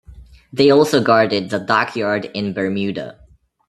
They also guarded the dockyard in Bermuda.